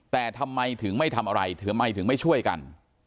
แต่ทำไมถึงไม่ทำอะไรทำไมถึงไม่ช่วยกัน